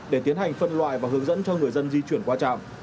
để tiến hành phân loại và hướng dẫn cho người dân di chuyển qua trạm